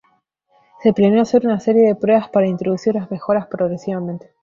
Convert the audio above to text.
Se planeó hacer una serie de pruebas para introducir las mejoras progresivamente.